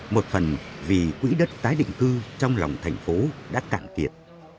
một phần vì quỹ đất tái định cư trong lòng thành phố đã cạn kiệt